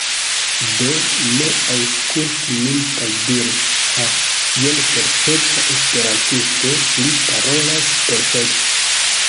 Do, ne aŭskulti min kaj diru, "Ha jen perfekta Esperantisto, li parolas perfekte!"